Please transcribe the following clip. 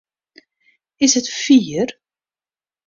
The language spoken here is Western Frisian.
Is it fier?